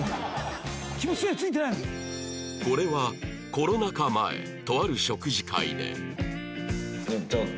これはコロナ禍前とある食事会で